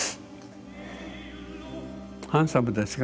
ハンサムですか？